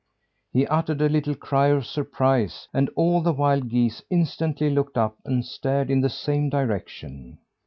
He uttered a little cry of surprise, and all the wild geese instantly looked up, and stared in the same direction.